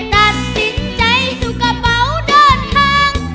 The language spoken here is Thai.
ตัดสิทธิ์ใจสู่กระเป๋าเดินทาง